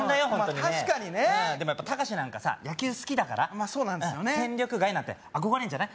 確かにねでもやっぱたかしなんかさ野球好きだから戦力外なんて憧れるんじゃない？